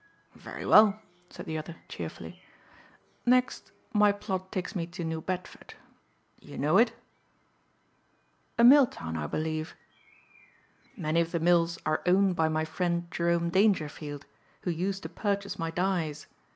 "Very well," said the other cheerfully. "Next, my plot takes me to New Bedford. You know it?" "A mill town I believe?" "Many of the mills are owned by my friend Jerome Dangerfield who used to purchase my dyes.